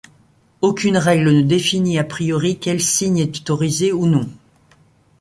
Aucune règle ne définit à priori quel signe est autorisé ou non.